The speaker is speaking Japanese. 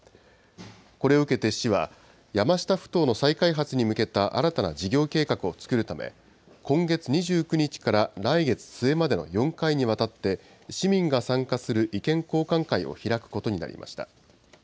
これを受けて市は、山下ふ頭の再開発に向けた新たな事業計画を作るため、今月２９日から来月末までの４回にわたって、市民が参加する意見交換会を開くことになりました。